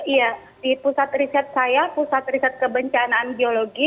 iya di pusat riset saya pusat riset kebencanaan geologi